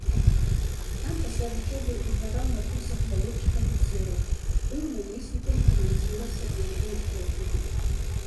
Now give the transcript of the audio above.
Там пасля вучобы выкладаў на курсах малодшых афіцэраў, быў намеснікам камандзіра сапёрнай роты.